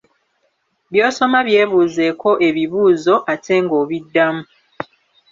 By'osoma byebuuzeeko ebibuuzo , ate ng'obiddamu.